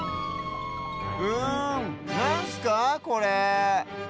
うんなんすかこれ？